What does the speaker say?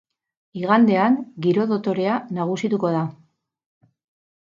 Igandean giro dotorea nagusituko da.